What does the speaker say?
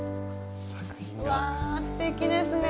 うわすてきですね。